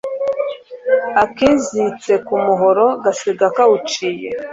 Akizitse ku muhoro gasiga kawuciye